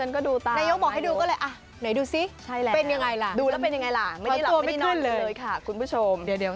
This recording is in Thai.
เออแต่ว่าไม่แซวตัวเองก็มีนะ